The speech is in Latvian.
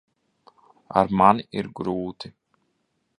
Ar mani ir grūti.